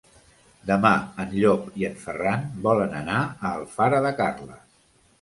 Demà en Llop i en Ferran volen anar a Alfara de Carles.